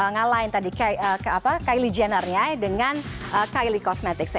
ngalahin tadi kylie jenner dengan kylie cosmetics